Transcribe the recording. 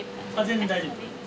全然大丈夫。